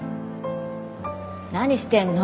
何してんの？